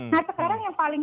nah sekarang yang paling